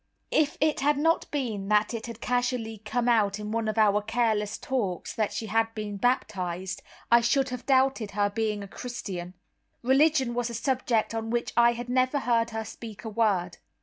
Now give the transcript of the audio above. If it had not been that it had casually come out in one of our careless talks that she had been baptised, I should have doubted her being a Christian. Religion was a subject on which I had never heard her speak a word.